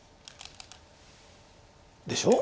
でしょ？